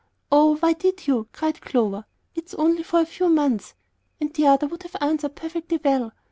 "Oh, why did you?" cried Clover. "It's only for a few months, and the other would have answered perfectly well.